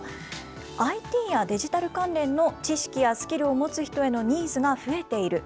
ＩＴやデジタル関連の知識やスキルを持つ人へのニーズが増えている。